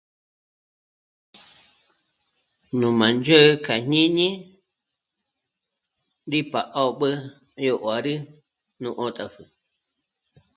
Nú mándzhë̀'ë k'a jñíni rí pá'öb'ü 'é ró nguàrü nú 'ö̀t'apjü